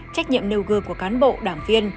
trách nhiệm nêu gương của cán bộ đảng viên